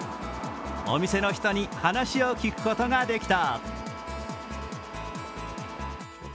お店の人に話を聞くことができた。